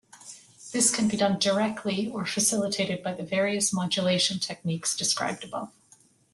This can be done directly or facilitated by the various modulation techniques described above.